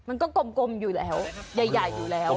มันก็กลมอยู่แล้วใหญ่อยู่แล้ว